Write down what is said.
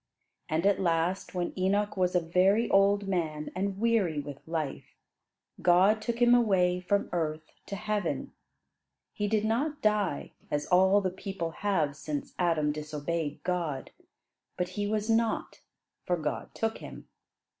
And at last, when Enoch was a very old man and weary with life, God took him away from earth to heaven. He did not die, as all the people have since Adam disobeyed God, but "he was not, for God took him."